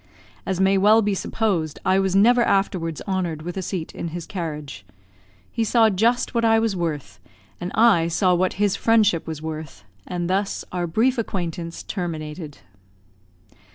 As may well be supposed, I was never afterwards honoured with a seat in his carriage. He saw just what I was worth, and I saw what his friendship was worth; and thus our brief acquaintance terminated.